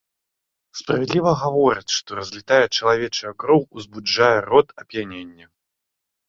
Справядліва гавораць, што разлітая чалавечая кроў узбуджае род ап'янення.